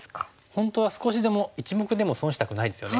本当は少しでも１目でも損したくないですよね。